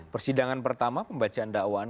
persidangan pertama pembacaan dakwaan